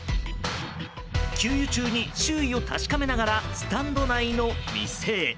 給油中に周囲を確かめながらスタンド内の店へ。